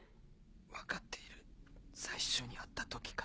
分かっている最初に会った時から。